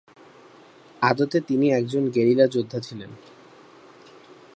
আদতে তিনি একজন গেরিলা যোদ্ধা ছিলেন।